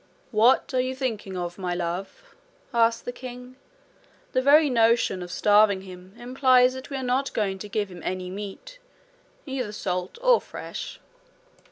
'What are you thinking of, my love?' said the king. 'The very notion of starving him implies that we are not going to give him any meat, either salt or fresh.'